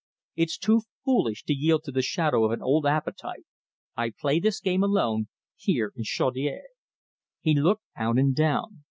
It's too foolish, to yield to the shadow of an old appetite. I play this game alone here in Chaudiere." He looked out and down.